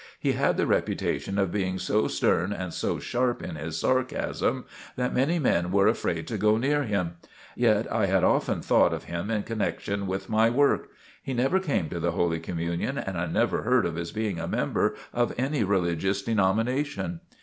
He had the reputation of being so stern and so sharp in his sarcasm, that many men were afraid to go near him. Yet I had often thought of him in connection with my work. He never came to the Holy Communion, and I never heard of his being a member of any religious denomination.